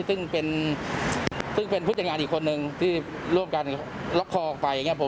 ซึ่งเป็นซึ่งเป็นผู้จัดงานอีกคนนึงที่ร่วมกันล็อกคอออกไปอย่างนี้